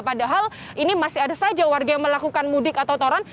padahal ini masih ada saja warga yang melakukan mudik atau toran